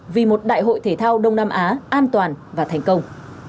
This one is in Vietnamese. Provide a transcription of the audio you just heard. vì một đại hội thể thao đông nam á an toàn và thành công